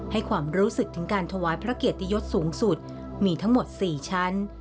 ให้ความรู้สึกถึงการถวายพระเกียรติยศสูงสุดมีทั้งหมด๔ชั้น